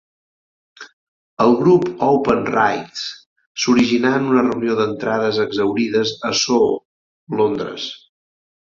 El grup Open Rights s'originà en una reunió d'entrades exhaurides a Soho, Londres.